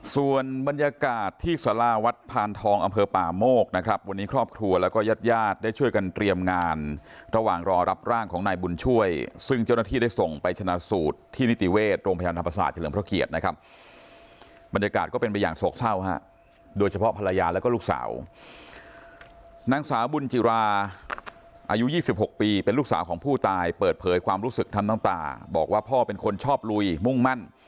ส่วนบรรยากาศที่ศาลาวัดพานทองอำเภอป่าโมกนะครับวันนี้ครอบครัวแล้วก็ยัดยาดได้ช่วยกันเตรียมงานระหว่างรอรับร่างของนายบุญช่วยซึ่งเจ้าหน้าที่ได้ส่งไปชนะสูตรที่นิติเวศโรงพยานธรรมศาสตร์เจริญพระเกียรตินะครับบรรยากาศก็เป็นไปอย่างโศกเศร้าฮะโดยเฉพาะภรรยาแล้วก็ลูกสา